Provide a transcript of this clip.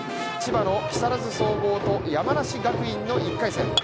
千葉の木更津総合と山梨学院の１回戦。